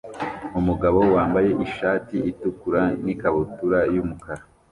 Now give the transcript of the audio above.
Umugabo wambaye ishati itukura n'ikabutura y'umukara